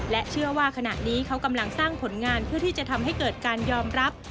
เชื่อว่าขณะนี้เขากำลังสร้างผลงานเพื่อที่จะทำให้เกิดการยอมรับ